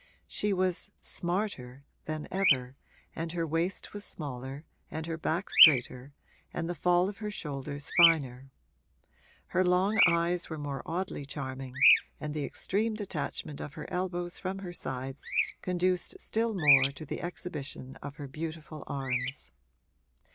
She was 'smarter' than ever and her waist was smaller and her back straighter and the fall of her shoulders finer; her long eyes were more oddly charming and the extreme detachment of her elbows from her sides conduced still more to the exhibition of her beautiful arms.